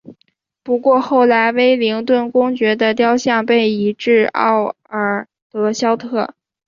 不过后来威灵顿公爵的雕像被移至奥尔德肖特。